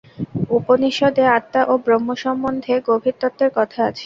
উপনিষদে আত্মা ও ব্রহ্ম সম্বন্ধে গভীর তত্ত্বের কথা আছে।